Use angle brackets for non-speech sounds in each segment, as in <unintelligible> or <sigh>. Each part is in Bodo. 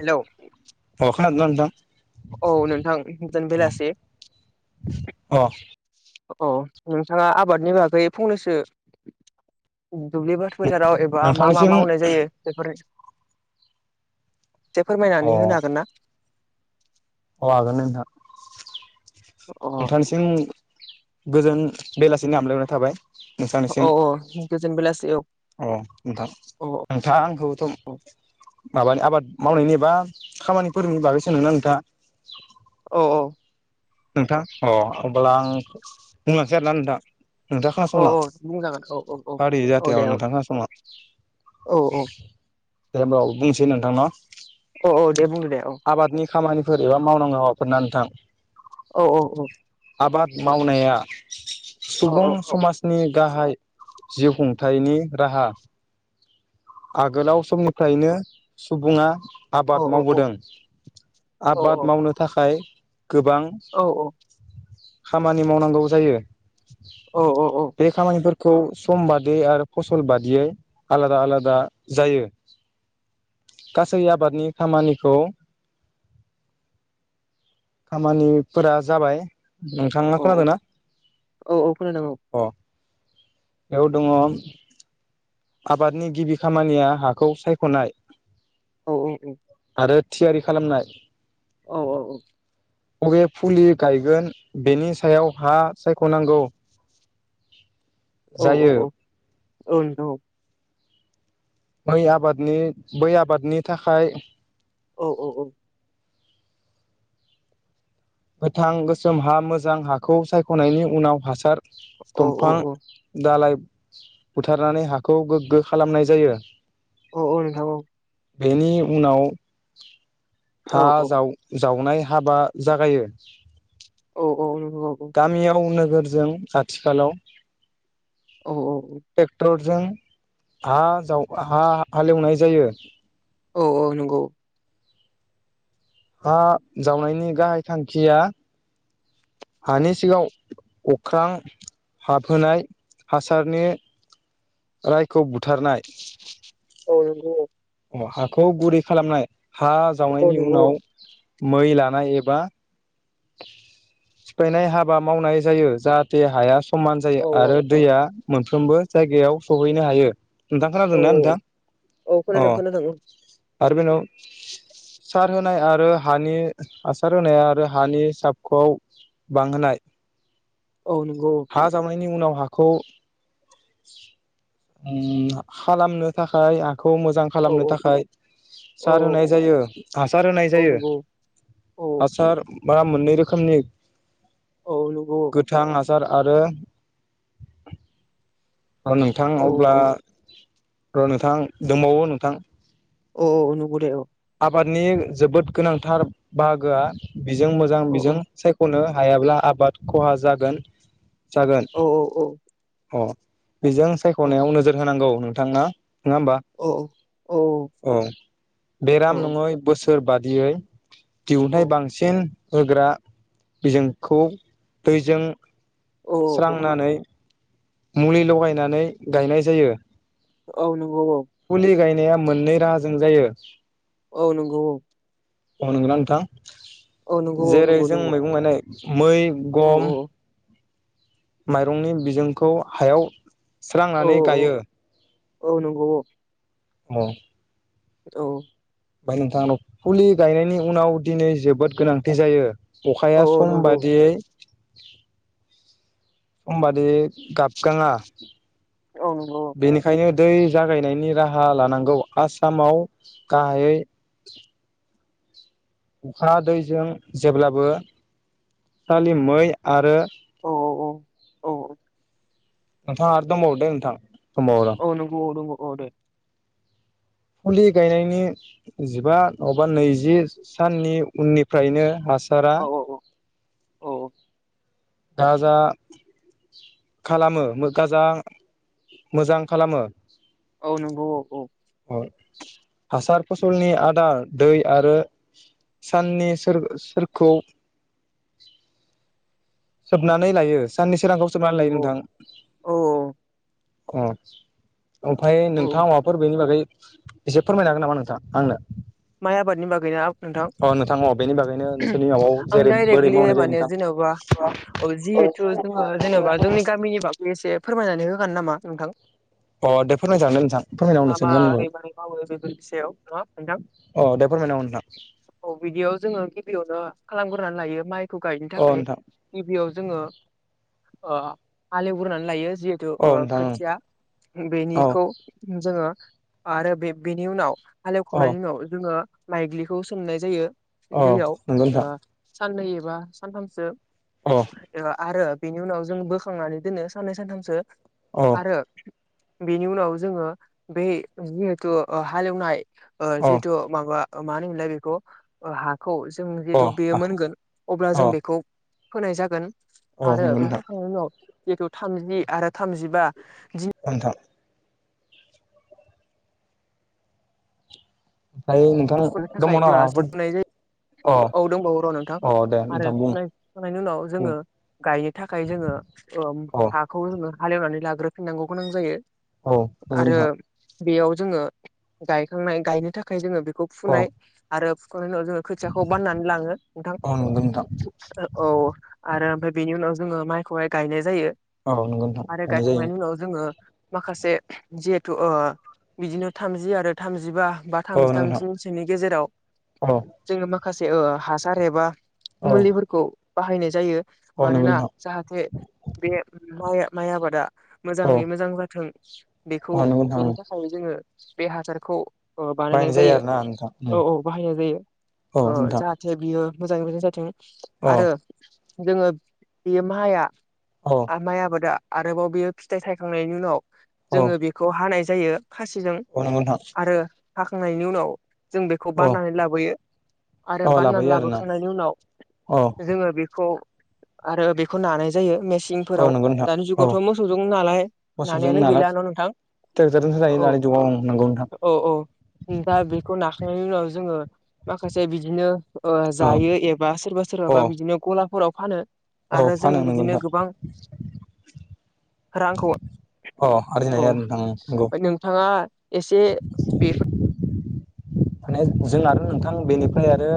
हेल' अ खोनादोंना नोंथां? औ नोंथां गोजोन बेलासे। अ औ नोंथाङा आबादनि बागै फंनैसो <inaudible> दुब्लिबारि फोथाराव एबा मा मा नोंथांनिसिम मावनाय जायो बेफोरनि एसे फोरमायनानै होनो हागोन ना? औ हागोन नोंथां अ नोंथांनिसिम गोजोन बेलासिनि हामलायनाय थाबाय। नोंथांनिसिम अ औ गोजन बेलासि औ अ नोंथां औ नोंथाङ आंखौथ' औ <unintelligible> आबाद मावनायनि एबा खामानिफोरनि बागै सोंदोंमोनना नोंथाङा? औ औ नोंथां अ अब्ला आं बुंलांसै आरोना नोंथां। नोंथां औ खोनासंलां बुंजागोन औ औ औ हारि औ दे जाहाथेयाव औ नोंथाङा खोनासंलां औ औ दे अब्ला बुंनोसै नोंथां ना? औ औ दे बुंदो दे औ खामानिफोर एबा मावनांगौ हाबाफोर ना नोंथां? औ औ औ आबाद मावनाया औ सुबुं औ समाजनि गाहाय जिउ खुंथाइनि राहा आगोलाव समनिफ्रायनो सुबुङा औ आबाद औ मावबोदों औ आबाद मावनो थाखाय गोबां औ खामानि मावनांगौ जायो। औ बेे खामानि फोर। खौ सम बादियै आरो फसल बादियै आलादा आलादा जायो। गासै आबादनि खामानिखौ खामानिफोरा जाबाय नोंथाङा खोनादों ना औ औ खोनादों अ बेयाव दङ आबादनि गिबि खामानिया हाखौ सायख'नाय। औ आरो थियारि खालामनाय। औ बबे फुलि गायगोन बेनि सायाव हा सायख'नांगौ। <inaudible> जायो <unintelligible> बै आबादनि बै आबादनि थाखाय। औ औ औ। गोथां गोसोम हा मोजां हाखौ सायख'नायनि उनाव हासार। औ दमफां औ दालाइ बुथारनानै हाखौ गोग्गो खालामनाय जायो। औ औ नोंथां औ। बेनि उनाव हा औ औ जाव जावनाय हाबा जागायो। औ औ नंगौ गामियाव नोगोरजों आथिखालाव औ औ। जों हा जाव हा हालेवनाय जायो। औ औ नंगौ। हा जावनायनि गाहाय थांखिया हानि सिगाव अख्रां हाबहोनाय हासारनि रायखौ बुथारनाय। औ नंगौ औ। अ हाखौ गुरै खालामनाय हा औ जावनायनि नंगौ उनाव मै लानाय एबा सिफायनाय हाबा मावनाय जायो जाहाथे हाया समान जायो औ आरो दैया मोनफ्रोमबो जायगायाव सहैनो हायो। नोंथां औ खोनादोंना नोंथां औ औ अ खोनादों खोनादों आरो बेनाव। सार होनाय आरो हानि आसार होनाय आरो हानि साबखौआव बांहोनाय औ नंगौ हा जावनायनि उनाव हाखौ ओम खालामनो थाखाय खौ मोजां औ खालामनो थाखाय औ सार होनाय जायो हासार होनाय औ जायो। नंगौ औ हासार बा मोननै रोखोमनि औ नंगौ गोथां हास सार आरो अ नोंथां औ अब्ला औ र' नोंथां दोंबावो नोंथां। अ अ नंगौ दे औ। आबादनि जोबोद गोनांथार बाहागोआ बिजों मोजां औ औ बिजों सायख'नो। हायाब्ला आबाद खहा जागोन। जागोन औ औ औ। अ बेजों औ सायख'नायाव नोजोर होनांगौ नोंथां ना। नङा होमबा औ औ औ बेराम नङै बोसोर बादियै। दिहुनथाइ बांसिन होग्रा बिजोंखौ दैजों स्रांनानै मुलि लगायनानै गायनाय जायो। औ नंगौ औ। नाया मोननै राहाजों जायो। औ नंगौ औ नंगौ अ नंगौना नोंथां औ नंगौ जेरै जों नंगौ औ मैगं गायनाय मै औ गम माइरंनि बिजोंखौ हायाव औ स्रांनानै गायो। औ नंगौ औ। औ औ ओमफ्राय नोंथांनाव फुलि गायनायनि उनाव दिनै जोबोद गोनांथि जायो अखाया औ सम नंगौ बादियै समबादि गाबगाङा औ नंगौ बेनिखायनो दै जागायनायनि राहा लानांगौ आसामाव गाहायै अखा दैजों जेब्लाबो खालि मै आरो औ औ औ ओ नोंथां आरो दंबावो दै नोंथां दंबावो र' औ नंगौ औ नंगौ दे फुलि गायनायनि जिबा अबा नैजि साननि उननिफ्रायनो हास सारा औ औ थाजा खालामो गाजा मोजां खालामो औ नंगौ औ औ हासार फसलनि आदार दै आरो साननि सोर सोरखौ सोबनानै लायो साननि सोरांखौ औ सोबनानै लायो नंगौ नोंथां औ अ ओमफ्राय औ नोंथाङा माबाफोर बेनि बागै एसे फोरमायनो हागोन नामा नोंथां आंनो? माय आबादनि बागैना नोंथां अ नोंथां अ बेनि बागैनो नोंसोरनि माबाव आं जेरै बोरै डाइरेक्लि मावनाय जायो माने नोंथां जेनेबा अजि जिहेथु जोङो जेन'बा जोंनि गामिनि बाबै एसे फोरमायनानै होगोन नामा नोंथां? अ दे फोरमायजागोन नोंथां फोरमायना हो मा मा नोंसोरनि गामिनि ओरै बागै मै मावो बेफोर बि सायाव ना मोनथां अ दे फोरमायना हो नोंथां औ बिदियाव जोङो गिबियावनो खालाम ग्रोनालायो माइखौ गायनो अ थाखाय नोंथां गिबियाव जोङो ओ हाल एवगोरनानै लायो जिहेथु औ ओ नोंथां खोथिया औ बेनिखौ जोङो आरो बे बेनि उनाव औ हालेवखांनायनि उनाव जोङो माइग्लिखौ सोमनाय जायो औ दैयाव नंगौ नोंथां ओ साननै एबा सानथामसो अ ओ आरो बेनि उनाव जों बोखांनानै दोनो साननै सानथामसो अ आरो बेनि उनाव जोङो बै जिहेथु हालेवनाय ओ अ जि माबा मा होनो मोनलाय बेखौ हाखौ जों अ जिहेतु बेयो अ मोनगोन अब्ला अ जों बेखौ फोनाय जागोन औ आरो नंगौ बे नोंथां फोखांनायनि उनाव जिहेथु थामजि आरो थामजिबा अनथा ओमफ्राय नोंथां फुनो दङ ना थाखायब्ला माबाफोर जनाय अ जायो औ दंबावो र' नोंथां अ दे आरो नोंथां बुं फुनायनि उनाव बुं जोङो गायनो थाखाय जोङो औ हाखौ जोङो हालेवनानै लाग्रोफिननांगौ गोनां जायो औ नंगौ आरो नोंथां बेयाव जोङो गायखांनाय गायनो थाखाय जोङो बेखौ औ फुनाय आरो बेनि उनाव जोङो खोथियाखौ बाननानै लाङो नोंथां औ नंगौ नोंथां औ आरो ओमफ्राय बेनि उनाव जोङो माइखौहाय गायनाय जायो औ नंगौ नोंथां आरो गायनाय जायो गायखांनायनि उनाव जोङो माखासे जे ओ बिदिनो थामजि आरो थामजिबा बा औ थामजि नंगौ नोंथां थामजिनसोनि गेजेराव औ जोङो माखासे ओ हासार एबा औ मुलिफोरखौ बाहायनाय जायो औ नंगौ मानोना नोंथां जाहाथे बे माइ माइ आबादा औ मोजाङै मोजां जाथों बेखौ औ नंगौ नोंथां बेनि थाखाय जोङो बे हासारखौ ओ बायनाय बानायनाय जायो आरोना नोंथां ।औ औ बाहायनाय जायो औ ओ नोंथां जाहाथे बियो मोजाङै मोजां जाथों औ आरो जोङो बेयो माइया औ माइ आबादा आरोबाव बेयो फिथाइ थायखांनायनि उनाव औ जोङो बेखौ हानाय जायो। खासिजों औ नंगौ नोंथां आरो हाखांनायनि उनाव जों बेखौ औ बाननानै लाबोयो। आरो औ बाननानै लाबोयो आरोना लाबोखांनायनि उनाव औ जोङो बेखौ आरो बेखौ नानाय जायो। औ सिंफोराव नंगौ नोंथां दानि औ जुगावथ' मोसौजों नालाय मोसौजों नानायानो नाला गैला न' नोंथां? ट्रेक्टरजोंसो औ नायो दानि जुगाव ओ नंगौ नोंथां। ओम दा बेखौ नाखांनायनि उनाव जोङो माखासे बिदिनो ओ औ जायो एबा सोरबा औ सोरबाबा बिदिनो गलाफोराव फानो। औ आरो जों फानो नंगौ बिदिनो नोंथां गोबां रांखौ अ आरजिनो औ हायो आरो नोंथां नंगौ ओमफ्राय नोंथाङा एसे बेफोर <inaudible> माने जों आरो नोंथां बेनिफ्राय आरो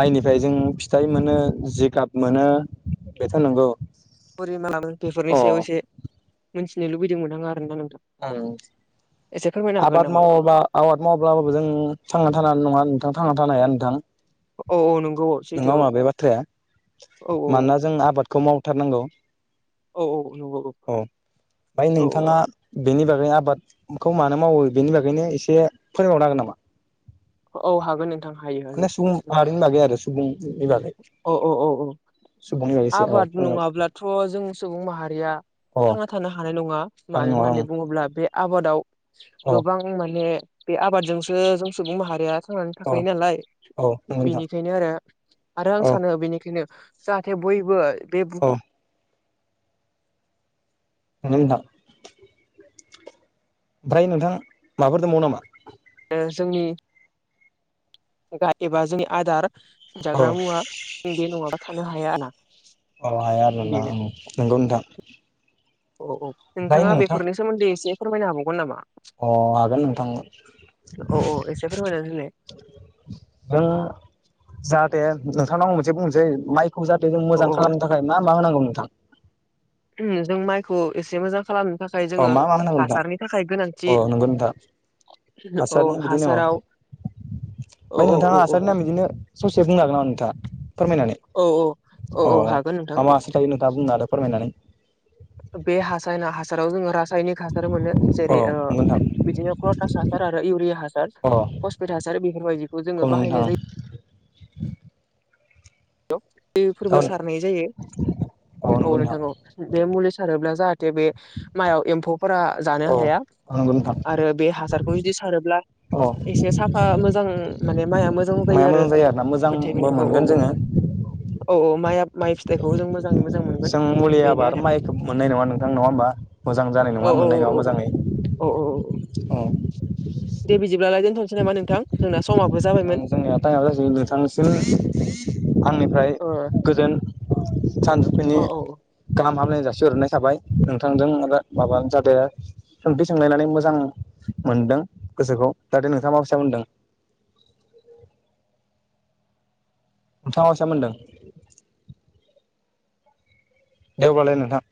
माइनिफ्राय जों फिथाइ मोनो जिगाब मोनो बेथ' नंगौ। परिमालाबो बेफोरनि अ सायाव एसे मिथिनो लुबैदोंमोन आं आरोना नों आरो हागोन आबाद नामा मावाबा आबाद मावाब्लाबो जों थांना थानो हानाय नङा नोंथां ।थांना थानो हाया नोंथां औ औ नंगौ औ नङा सैथो होमबा बे बाथ्राया? औ मानोना जों आबादखौ मावथारनांगौ। औ औ नंगौ औ ओमफ्राय औ नोंथाङा बेनि बागै आबादखौ मानो मावो बेनि बागैनो एसे फोरोंबावनो हांगोन नामा औ हागोन नोंथां हायो। माने सुबुं माहारिनि बागै आरो सुबुंनि बागै औ औ औ औ सुबुंनि बागै एसे औ आबाद फोरमाय नङाब्लाथ' जों सुबुं माहारिया अ थांना थानो हानाय नङा मानो हानाय नङा आं होननानै बुङोब्ला बे आबादाव अ गोबां माने बे आबादजोंसो जों सुबुं माहारिया थांना अ थाखायो नालाय औ नंगौ नोंथां बेनिखायनो आरो आरो आं औ सानो बेनिखायनो जाहाथे बयबो बे औ <unintelligible> ओमफ्राय नोंथां माबाफोर दंबावो नामा? जोंनि गा एबा जोंनि आदार औ जाग्रा मुवा बे नङाबा थानो हाया आरो ना। अ हाया आरो नोंथां नंगौ नोंथां। औ औ ओमफ्राय नोंथाङा नोंथां बेफोरनि सोमोन्दै एसे फोरमायनो हाबावगोन नामा? अ हागोन नोंथां। औ औ एसे फोरमायनानै होलाय दा जाहाथे नोंथांनाव आं मोनसे बुंनोसै माइखौ जाहाथे जों औ मोजां औ खालामनो थाखाय मा मा होनांगौ नोंथां? ओम जों माइखौ एसे मोजां खालामनो थाखाय अ जोङो मा मा होनांगौ नोंथां हासारनि थाखाय अ गोनांथि नंगौ नोंथां औ हासारनि बिदिनो अ हासाराव औ ओमफ्राय औ नोंथाङा औ औ हासारनि नाम बिदिनो ससे बुंनो हागोन नामा नोंथाङा फोरमायनानै औ औ अ औ हागोन नोंथां मा मा हासार थायो नोंथाङा बुंना होदो फोरमायनानै बे हासायना हासाराव जोङो रा रासायनिक हासार मोनो अ जेरै ओ नंगौ नोंथां बिदिनो कटास हासार आरो इउरिया हासार अ कस्पेट हासार बेफोरबायदिखौ औ जोङो बाहायनाय जायो। नोंथां <inaudible> दै फोरबो औ सारनाय जायो औ नोंथां औ बे मुलि सारोब्ला जाहा थे बे माइआव एमफौफोरा जानो औ हाया नंगौ नोंथां आरो बे हासारखौ जुदि सारोब्ला अ एसे साफा मोजां माने माइआ मोजां माया जायो आरो आरोना खोथाया मोजांबो बिनो औ औ मोनगोन औ जोङो औ औ मा माइ फिथाइखौ जों मोजाङै मोन जों मुलि आबाद माइखौ मोननाय नङा नोंथां नङा होमबा मोजां जानाय औ नङा औ मोननाय नङा औ मोजाङै औ औ नोंथां दे बिदिब्लालाय दोनथ'नोसै नामा नोंथां जोंना समा आ जोंनिया टाइमआ जासै नोंथांसिम आंनिफ्राय ओ गोजोन सानजौफैनि औ औ गाहाम हामनायनि जासिहरनाय थाबाय नोंथांजों माबा <unintelligible> सोंथि सोंलायनानै मोजां मोन जों गोसोखौ जाथे नोंथाङा माबायसा मोनदों नोंथाङा माबायसा मोनदों? दे अब्लालाय नोंथां